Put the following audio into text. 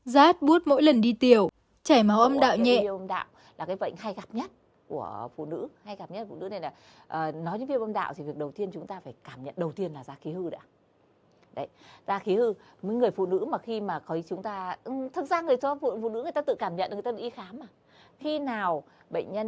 rát bút mỗi lần đi tiểu chảy máu âm đạo nhẹ